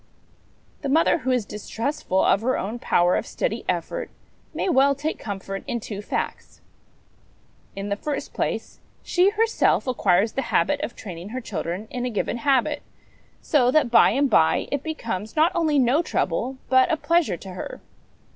The mother who is distrustful of her own power of steady effort may well take comfort in two facts. In the first place, she herself acquires the habit of training her children in a given habit, so that by and by it becomes, not only no trouble, but a pleasure to her.